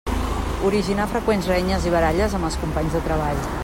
Originar freqüents renyes i baralles amb els companys de treball.